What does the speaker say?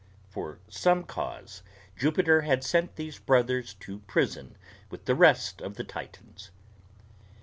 For some cause Jupiter had not sent these brothers to prison with the rest of the Titans.